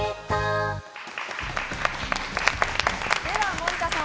森田さん